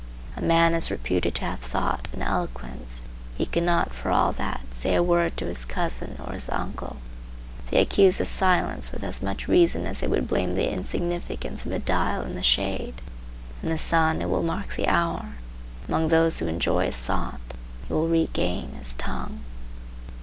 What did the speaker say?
A man is reputed to have thought and eloquence; he cannot, for all that, say a word to his cousin or his uncle. They accuse his silence with as much reason as they would blame the insignificance of a dial in the shade. In the sun it will mark the hour. Among those who enjoy his thought he will regain his tongue.